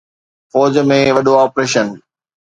فوج ۾ وڏو آپريشن